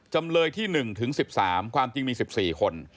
จำเลยที่หนึ่งถึงสิบสามความจริงมีสิบสี่คน